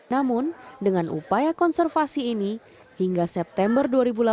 namun dengan upaya konservasi ini hingga september dua ribu delapan belas